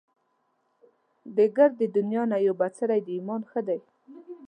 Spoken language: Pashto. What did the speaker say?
دې ګردې دنيا نه يو بڅری د ايمان ښه دی